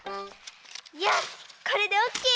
よしこれでオッケー。